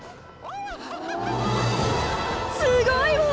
すごいわ！